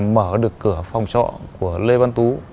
mở được cửa phòng trọ của lê văn tú